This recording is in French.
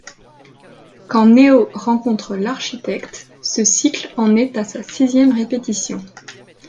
Quand Neo rencontre l'architecte, ce cycle en est à sa sixième répétition.